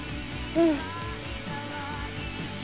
うん。